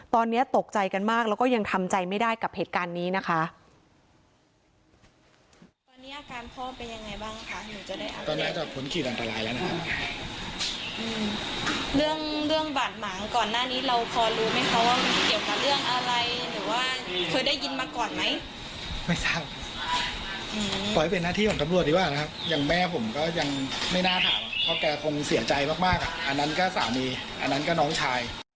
ตอนนี้ตกใจกันมากแล้วก็ยังทำใจไม่ได้กับเหตุการณ์นี้นะคะ